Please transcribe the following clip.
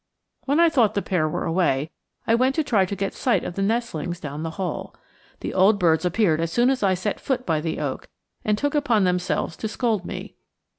When I thought the pair were away, I went to try to get sight of the nestlings down the hole. The old birds appeared as soon as I set foot by the oak and took upon themselves to scold me.